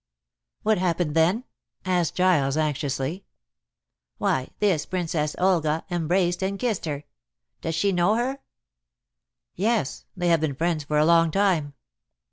"What happened then?" asked Giles anxiously. "Why, this Princess Olga embraced and kissed her. Does she know her?" "Yes. They have been friends for a long time."